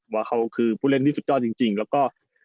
ว่าเขาคือผู้เล่นที่สุดยอดจริงแล้วก็